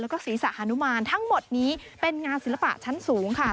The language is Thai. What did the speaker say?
แล้วก็ศีรษะฮานุมานทั้งหมดนี้เป็นงานศิลปะชั้นสูงค่ะ